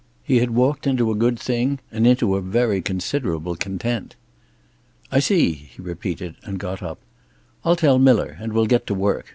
He had walked into a good thing, and into a very considerable content. "I see," he repeated, and got up. "I'll tell Miller, and we'll get to work.